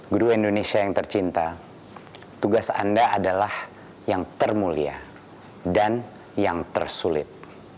guru indonesia yang tercinta tugas anda adalah yang termulia dan yang tersulit